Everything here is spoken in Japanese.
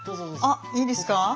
あっいいですか？